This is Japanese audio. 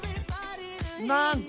なんと